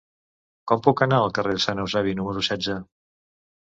Com puc anar al carrer de Sant Eusebi número setze?